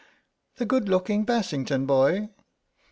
"The good looking Bassington boy?